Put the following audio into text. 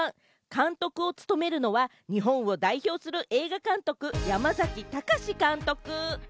監督を務めるのは日本を代表する映画監督、山崎貴監督。